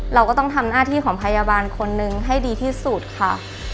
เราก็ต้องทำหน้าที่ของพยาบาลคนนึงให้ดีที่สุดค่ะ